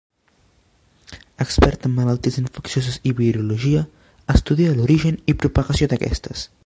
Expert en malalties infeccioses i virologia estudià l'origen i propagació d'aquestes.